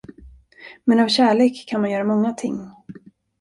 Men av kärlek kan man göra många ting.